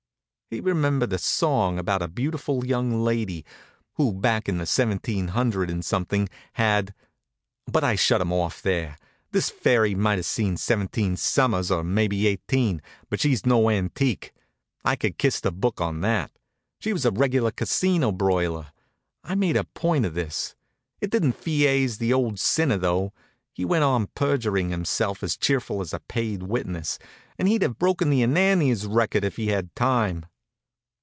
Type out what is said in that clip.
He remembered a song about a beautiful young lady who, back in the seventeen hundred and something, had But I shut him off there. This fairy might have seen seventeen summers, or maybe eighteen, but she was no antique. I could kiss the Book on that. She was a regular Casino broiler. I made a point of this. It didn't feaze the old sinner, though. He went on perjuring himself as cheerful as a paid witness, and he'd have broken the Ananias record if he'd had time.